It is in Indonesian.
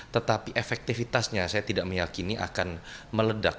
tetapi efektivitasnya saya tidak meyakini akan meledak